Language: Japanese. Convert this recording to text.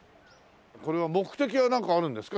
これは目的はなんかあるんですか？